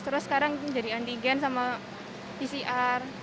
terus sekarang jadi antigen sama pcr